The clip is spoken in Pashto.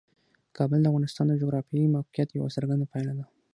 کابل د افغانستان د جغرافیایي موقیعت یوه څرګنده پایله ده.